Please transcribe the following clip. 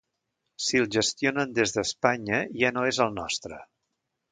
Si el gestionen des d'Espanya ja no és el nostre.